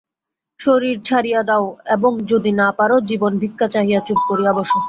শরীর ছাড়িয়া দাও এবং যদি না পার, জীবনভিক্ষা চাহিয়া চুপ করিয়া বস।